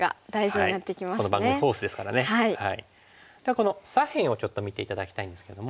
この左辺をちょっと見て頂きたいんですけども。